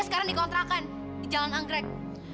sekarang dikontrakan di jalan anggrek